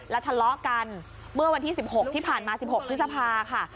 ทะเลาะกันเมื่อวันที่๑๖ที่ผ่านมา๑๖พฤษภาค่ะ